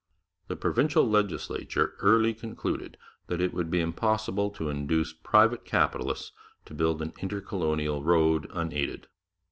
The provincial legislature early concluded that it would be impossible to induce private capitalists to build an intercolonial road unaided.